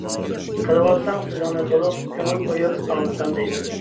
قىلىۋالساڭ سۆزۈڭنى تولۇق، كۆڭۈل قويۇپ ئاڭلىسام دەيمەن.